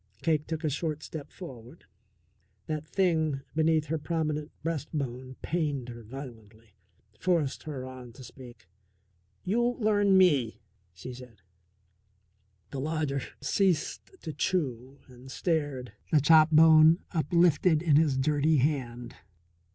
Cake took a short step forward. That thing beneath her prominent breastbone pained her violently, forced her on to speak. "You learn me," she said. The lodger ceased to chew and stared, the chop bone uplifted in his dirty hand.